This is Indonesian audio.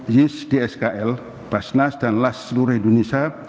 yus dskl basnas dan las seluruh indonesia